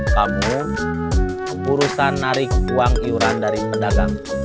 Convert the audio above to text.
kamu urusan narik uang iuran dari pedagang